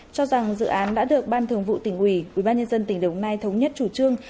cho rằng dự án đã được ban thường vụ tỉnh ủy ubnd tỉnh đồng nai thống nhất chủ trương